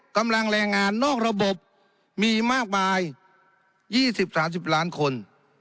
กำลังแรงงานนอกระบบมีมากมายยี่สิบสามสิบล้านคน